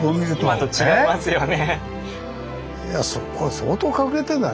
今と違いますよね。